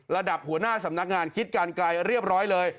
ระดับหัวหน้าสำนักงานคิดการไกลเรียบร้อยเลย